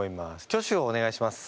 挙手をお願いします。